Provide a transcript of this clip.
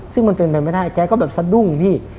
ซึ่งมันเป็นไปไม่ได้แกก็แบบสะดุ้งพี่